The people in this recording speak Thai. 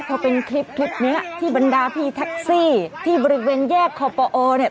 โอ๊ยพอเป็นคลิปนี้ที่บริเวณแยกขอบประโอ้นี่